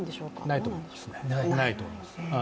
ないと思います。